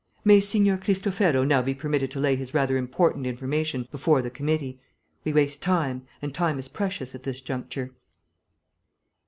May Signor Cristofero now be permitted to lay his rather important information before the committee? We waste time, and time is precious at this juncture."